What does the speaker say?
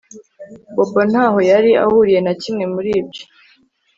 Bobo ntaho yari ahuriye na kimwe muri ibyo